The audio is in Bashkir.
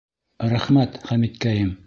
Рәхмәт, Хәмиткәйем.